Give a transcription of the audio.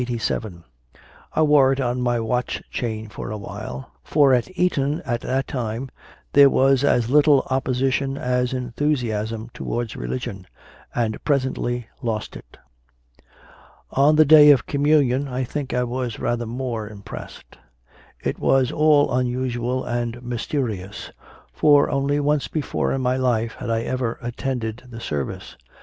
I wore it on my watch chain for a while for at Eton at that time there was as little opposition as enthusi asm towards religion and presently lost it. On the day of Communion I think I was rather more impressed. It was all unusual and mysteri ous; for only once before in my life had I even attended the service.